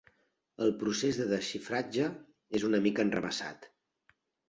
El procés de desxifratge és una mica enrevessat.